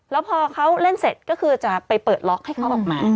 แล้วพอเขาเล่นเสร็จก็คือจะไปเปิดล็อกให้เขาออกมา